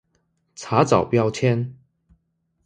查找標籤